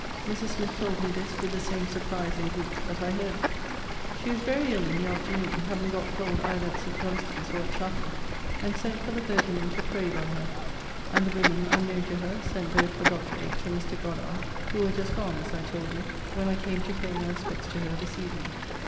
Mrs. Smith told me this with the same surprise and grief that I heard it. * See Letter XXIII. of this volume. She was very ill in the afternoon, having got cold either at St. Dunstan's, or at chapel, and sent for the clergyman to pray by her; and the women, unknown to her, sent both for Dr. H. and Mr. Goddard: who were just gone, as I told you, when I came to pay my respects to her this evening.